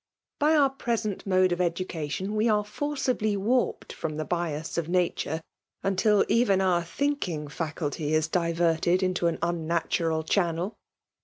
By our present mode of education we are forcibly wa^d Irom the bias of nature, until even our thinkiufr faculty is diverted into lin unnatural channel.